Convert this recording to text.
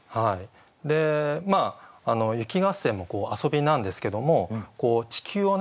まあ雪合戦も遊びなんですけども地球をね